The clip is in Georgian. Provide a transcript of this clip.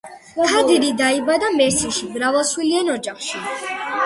ქადირი დაიბადა მერსინში მრავალშვილიან ოჯახში.